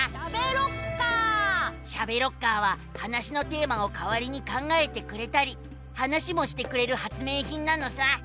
「しゃべロッカー」は話のテーマをかわりに考えてくれたり話もしてくれる発明品なのさ！